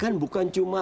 kan bukan cuma